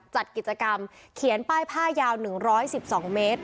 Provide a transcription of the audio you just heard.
จัดกิจกรรมเขียนป้ายผ้ายาว๑๑๒เมตร